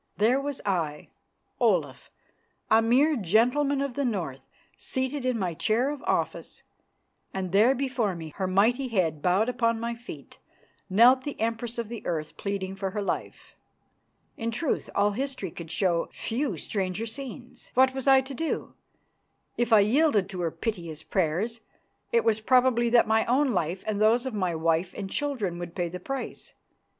There was I, Olaf, a mere gentleman of the North, seated in my chair of office, and there before me, her mighty head bowed upon my feet, knelt the Empress of the Earth pleading for her life. In truth all history could show few stranger scenes. What was I to do? If I yielded to her piteous prayers, it was probable that my own life and those of my wife and children would pay the price.